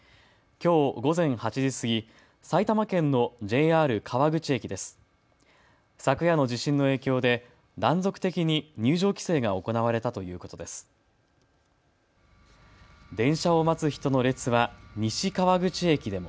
きょう午前８時過ぎ、埼玉県のＪＲ川口駅です。